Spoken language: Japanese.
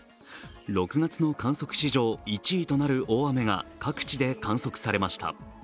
６月の観測史上１位となる大雨が各地で観測されました。